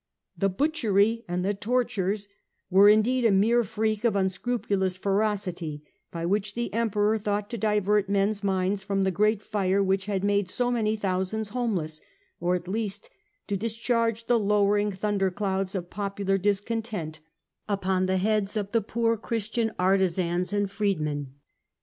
The butchery majr trace and the tortures were indeed a mere freak of dSuk^to unscrupulous ferocity by which the Emperor thought to divert men^s minds from the great such, fire which had made so many thousands homeless, or at least to discharge the lowering thunder clouds of popular discontent upon the heads of the poor Christian artisans and freedmen.